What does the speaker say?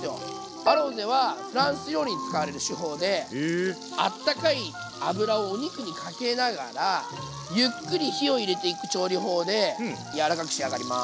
アロゼはフランス料理に使われる手法であったかい油をお肉にかけながらゆっくり火を入れていく調理法で柔らかく仕上がります。